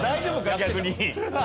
逆に。